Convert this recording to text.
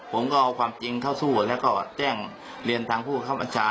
ผมก็เอาความจริงเข้าสู้แล้วก็แจ้งเรียนทางผู้บังคับบัญชา